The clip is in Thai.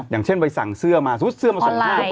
อย่างเช่นไปสั่งเสื้อมาสมมุติเสื้อมาส่ง๕คน